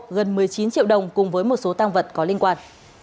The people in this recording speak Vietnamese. gần một mươi chín triệu đồng cùng với một số tăng vật có liên quan